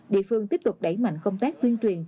địa phương tiếp tục đẩy mạnh công tác tuyên truyền